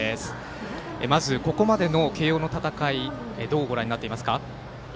ここまでの慶応の戦いどうご覧になっていますか？